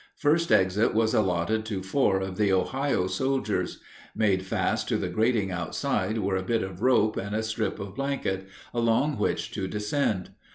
First exit was allotted to four of the Ohio soldiers. Made fast to the grating outside were a bit of rope and strip of blanket, along which to descend.